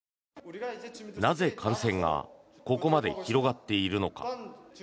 なぜ感染がここまで広がっているのか。